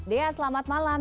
dea selamat malam